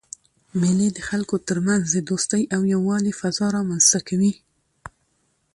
مېلې د خلکو ترمنځ د دوستۍ او یووالي فضا رامنځ ته کوي.